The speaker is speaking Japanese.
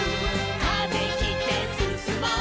「風切ってすすもう」